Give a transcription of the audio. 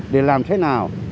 để làm thế nào